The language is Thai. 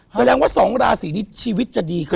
แสดงว่า๒ราศีนี้ชีวิตจะดีขึ้น